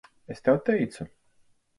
Es tev teicu.